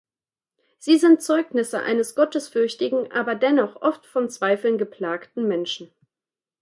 Sie sind Zeugnisse eines gottesfürchtigen, aber dennoch oft von Zweifeln geplagten Menschen.